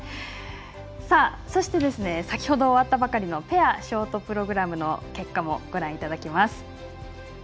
そして、先ほど終わったばかりのペアショートプログラムの結果もご覧いただきます。